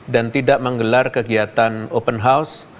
dan tidak menggelar kegiatan open house